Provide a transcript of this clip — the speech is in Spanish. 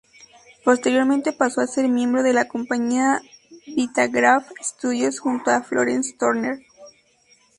Posteriormente pasó a ser miembro de la compañía Vitagraph Studios, junto a Florence Turner.